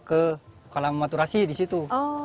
ke kolam maturasi di situ